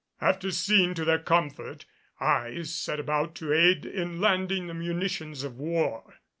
After seeing to their comfort I set about to aid in landing the munitions of war.